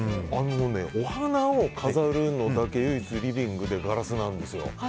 お花を飾るのだけ唯一、リビングでガラスなんですよ。